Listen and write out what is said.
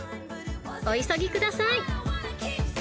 ［お急ぎください］